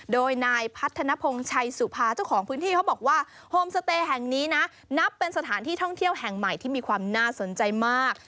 โดยนายพัฒนภงชัยสุภาเจ้าของพื้นที่เขาบอกว่าโฮมสเตย์แห่งนี้นะนับเป็นสถานที่ท่องเที่ยวแห่งใหม่ที่มีความน่าสนใจมาก